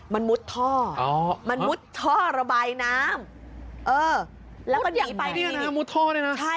มันมุดท่อมันมุดท่อระบายน้ำมันมุดอย่างไรนี้น้ามุดท่อนี่นะ